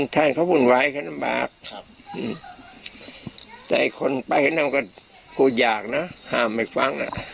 แต่ไอ้คนไปแค่นั้นก็กูอยากนะห้ามไม่ฟังนะ